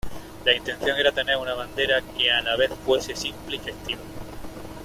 La intención era tener una bandera que a la vez fuese simple y festiva.